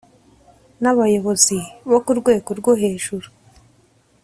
n abayobozi bo ku rwego rwo hejuru